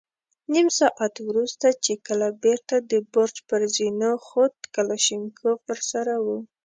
نيم ساعت وروسته چې کله بېرته د برج پر زينو خوت، کلاشينکوف ور سره و.